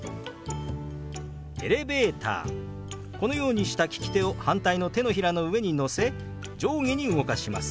このようにした利き手を反対の手のひらの上に乗せ上下に動かします。